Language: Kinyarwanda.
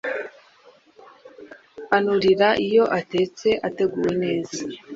anurira iyo atetse ateguwe neza